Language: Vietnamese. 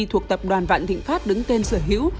thuộc tập đoàn vạn thịnh pháp đứng tên sở hữu